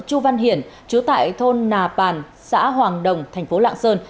chu văn hiển chú tại thôn nà bàn xã hoàng đồng thành phố lạng sơn